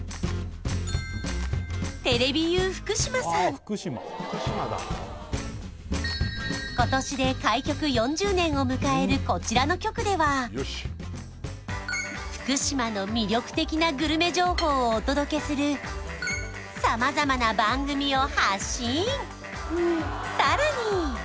今回今年で開局４０年を迎えるこちらの局では福島の魅力的なグルメ情報をお届けするさまざまな番組を発信さらに